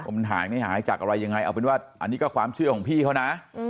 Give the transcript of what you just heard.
มันหายไม่หายจากอะไรยังไงเอาเป็นว่าอันนี้ก็ความเชื่อของพี่เขานะ